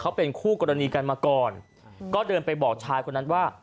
เขาเป็นคู่กรณีกันมาก่อนก็เดินไปบอกชายคนนั้นว่า